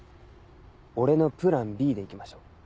俺のプランＢで行きましょう。